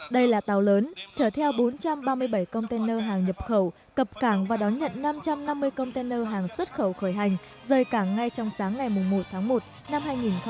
đây là tàu lớn chở theo bốn trăm ba mươi bảy container hàng nhập khẩu cập cảng và đón nhận năm trăm năm mươi container hàng xuất khẩu khởi hành rời cảng ngay trong sáng ngày một tháng một năm hai nghìn hai mươi